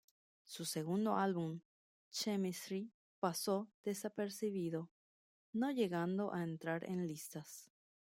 Su segundo álbum "Chemistry, "pasó desapercibido, no llegando a entrar en listas.